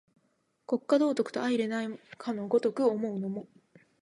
国家道徳と相容れないかの如く思うのも、